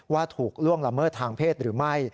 ถูกล่วงละเมิดทางเพศหรือไม่